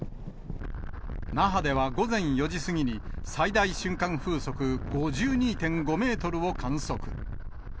那覇では午前４時過ぎに、最大瞬間風速５２．５メートルを観測。